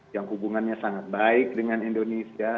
yang hubungannya sangat baik dengan indonesia